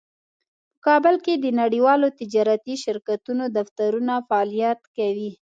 په کابل کې د نړیوالو تجارتي شرکتونو دفترونه فعالیت کوي